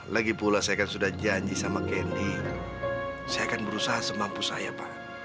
lagi pula saya sudah janji sama keni saya akan berusaha semampu saya pak